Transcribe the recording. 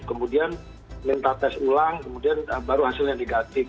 kemudian minta tes ulang kemudian baru hasilnya negatif